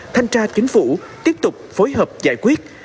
thanh tra chính phủ tiếp tục phối hợp giải quyết